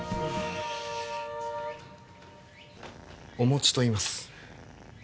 おもちといいます